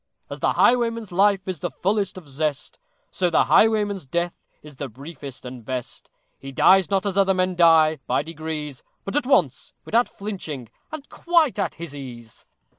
As the highwayman's life is the fullest of zest, So the highwayman's death is the briefest and best; He dies not as other men die, by degrees, But at once! without flinching and quite at his ease!